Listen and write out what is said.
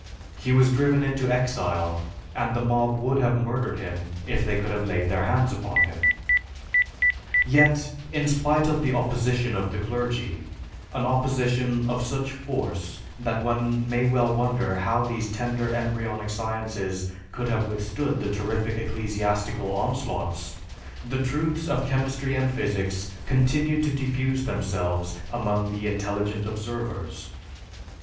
He was driven into exile, and the mob would have murdered him if they could have laid their hands upon him. Yet, in spite of the opposition of the clergy, an opposition of such force that one may well wonder how these tender embryonic sciences could have withstood the terrific ecclesiastical onslaughts, the truths of chemistry and physics continued to diffuse themselves among the intelligent observers.